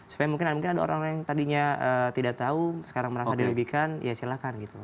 supaya mungkin ada orang orang yang tadinya tidak tahu sekarang merasa dirugikan ya silakan gitu